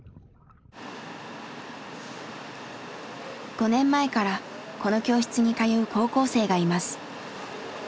５年前からこの教室に通う高校生がいます。